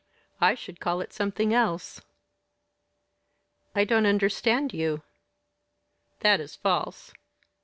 I should call it something else." "I don't understand you." "That is false."